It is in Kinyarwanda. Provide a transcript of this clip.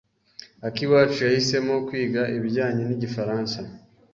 Akiwacu yahisemo kwiga ibijyanye n’igifaransa.